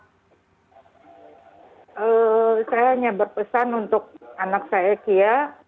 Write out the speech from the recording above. saya hanya berpesan untuk anak saya kia